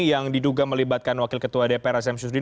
yang diduga melibatkan wakil ketua dpr r s m syudin